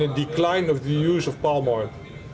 dan kekurangan penggunaan sawit